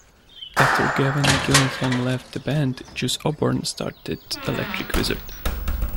After Gavin Gillingham left the band, Jus Oborn started Electric Wizard.